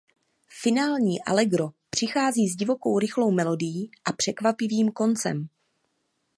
Finální Allegro přichází s divokou rychlou melodií a překvapivým koncem.